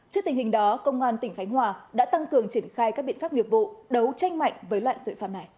trước tình hình đó công an tỉnh khánh hòa đã tăng cường triển khai các biện pháp nghiệp vụ